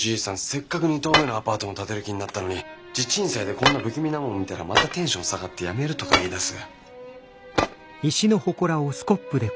せっかく２棟目のアパートも建てる気になったのに地鎮祭でこんな不気味なもん見たらまたテンション下がってやめるとか言いだす。